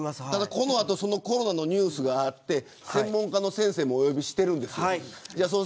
ただこの後コロナのニュースがあって専門家の先生もお呼びしてます。